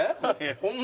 ホンマ。